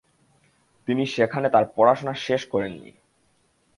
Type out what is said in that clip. তিনি সেখানে তার পড়াশোনা শেষ করেন নি।